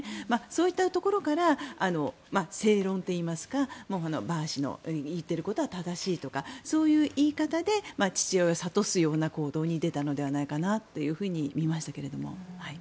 そういったところから正論といいますかバー氏の言っていることは正しいとか、そういう言い方で父親をさとすような行動に出たのではないかと見ましたけど。